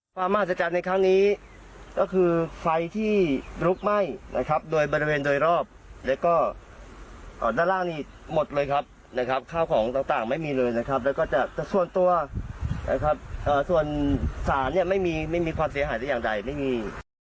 มหัศจรรย์ในครั้งนี้ก็คือไฟที่ลุกไหม้นะครับโดยบริเวณโดยรอบแล้วก็ด้านล่างนี้หมดเลยครับนะครับข้าวของต่างไม่มีเลยนะครับแล้วก็จะส่วนตัวนะครับส่วนสารเนี่ยไม่มีไม่มีความเสียหายแต่อย่างใดไม่มี